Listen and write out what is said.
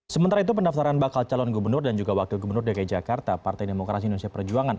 sementara itu pendaftaran bakal calon gubernur dan juga wakil gubernur dki jakarta partai demokrasi indonesia perjuangan